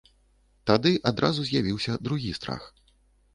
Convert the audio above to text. Тады адразу з'явіўся другі страх.